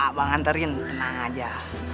abang antarin tenang aja